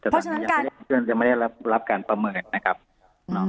เพราะฉะนั้นการยังไม่ได้รับการประเมินนะครับอืม